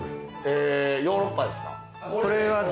へぇヨーロッパですか？